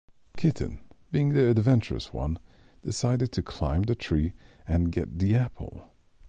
Kitten, being the adventurous one, decided to climb the tree and get the apple.